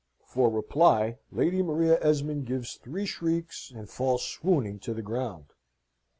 For reply Lady Maria Esmond gives three shrieks, and falls swooning to the ground.